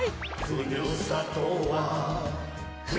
「ふるさとは」